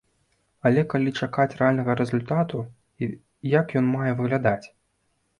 Але калі чакаць рэальнага рэзультату і як ён мае выглядаць?